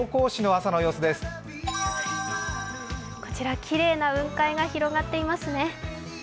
こちらきれいな雲海が広がっていますね。